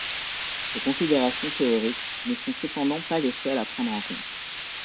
Ces considérations théoriques ne sont cependant pas les seules à prendre en compte.